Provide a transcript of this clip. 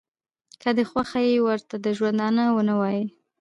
که دې خوښه ي ورته د ژوندانه ونه وایه.